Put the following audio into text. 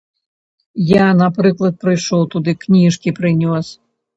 Я, напрыклад, прыйшоў туды, кніжкі прынёс.